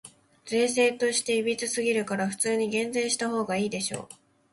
税制として歪すぎるから、普通に減税したほうがいいでしょ。